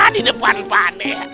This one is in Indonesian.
di depan panek